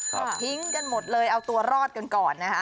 ทิ้งกันหมดเลยเอาตัวรอดกันก่อนนะคะ